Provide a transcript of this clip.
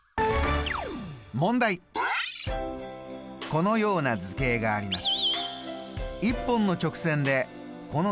このような図形があります。